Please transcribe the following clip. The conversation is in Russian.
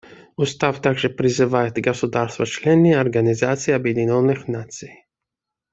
Устав также призывает государства-члены Организации Объединенных Наций.